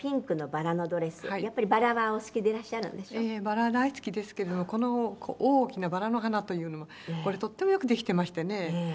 バラ大好きですけれどもこの大きなバラの花というのがこれとってもよくできてましてね。